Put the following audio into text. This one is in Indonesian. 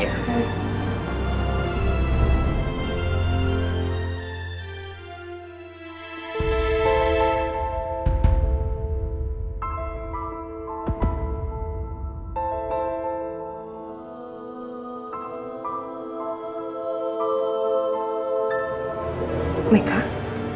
ya makasih banyak dong